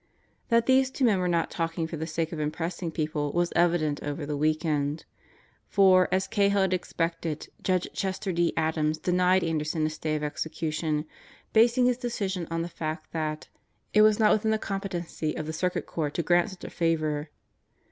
That these two men were not talking for the sake of impressing people was evident over the week end. For, as Cahill had expected, Judge Chester D. Adams denied Anderson a stay of execution, basing his decision on the fact that "it was not within the competency of the Circuit Court to grant such a favor."